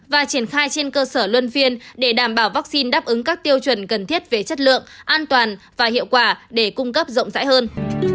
và triển khai trên cơ sở luân phiên để đảm bảo vaccine đáp ứng các tiêu chuẩn cần thiết về chất lượng an toàn và hiệu quả để cung cấp rộng rãi hơn